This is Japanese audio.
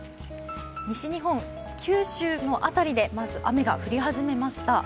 西日本、九州の辺りでまず雨が降り始めました。